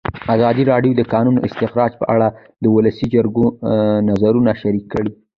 ازادي راډیو د د کانونو استخراج په اړه د ولسي جرګې نظرونه شریک کړي.